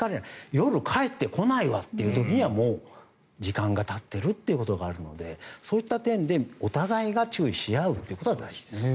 夜、帰ってこないわという時にはもう時間がたっているということがあるのでそういった点で、お互いが注意し合うっていうことが大事ですね。